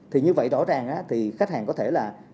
thì như vậy rõ ràng thì khách hàng có thể là